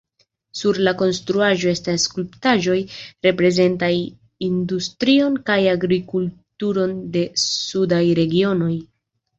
Sur la konstruaĵo estas skulptaĵoj, reprezentantaj industrion kaj agrikulturon de sudaj regionoj.